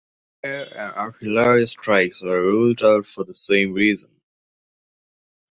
Air and artillery strikes were ruled out for the same reason.